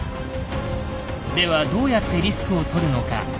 ではどうやってリスクをとるのか？